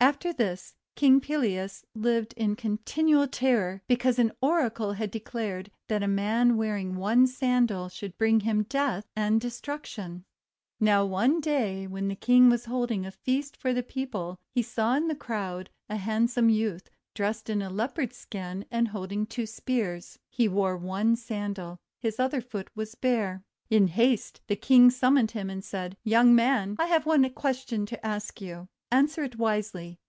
After this King Pelias lived in continual ter ror, because an Oracle had declared that a man wearing one sandal should bring him death and destruction. 386 THE WONDER GARDEN Now one day, when the King was holding a feast for the people, he saw in the crowd a hand some youth dressed in a Leopard's skin and holding two spears. He wore but one sandal; his other foot was bare. In haste, the King summoned him, and said :— f Young Man, I have one question to ask you. Answer it wisely.